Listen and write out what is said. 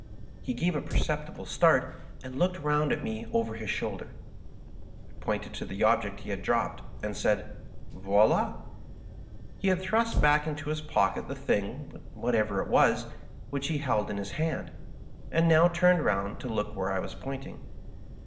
He gave a perceptible start, and looked round at me over his shoulder. I pointed to the object he had dropped, and said, " Voild !" He had thrust back into his pocket the thing, whatever it was, which he held in his hand, and now turned round to look where I was pointing.